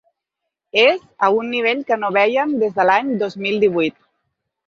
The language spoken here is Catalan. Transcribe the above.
És a un nivell que no vèiem des de l’any dos mil divuit.